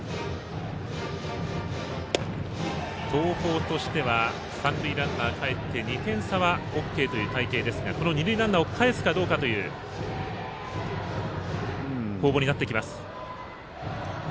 東邦としては三塁ランナーかえって２点差はＯＫという体形ですが二塁ランナーをかえすかという攻防になってきます。